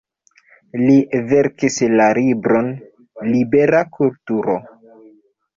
Li verkis la libron "Libera kulturo".